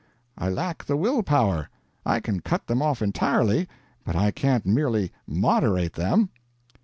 "I lack the will power. I can cut them off entirely, but I can't merely moderate them."